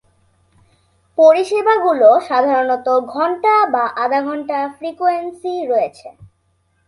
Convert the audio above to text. পরিষেবাগুলি সাধারণত ঘন্টা বা আধা ঘন্টা ফ্রিকোয়েন্সি রয়েছে।